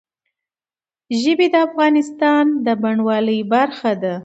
ژبې د افغانستان د بڼوالۍ برخه ده.